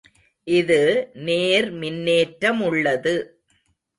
இது நேர் மின்னேற்ற முள்ளது.